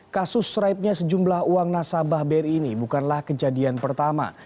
kasus seraibnya sejumlah uang nasabah bri ini bukanlah kejadian pertama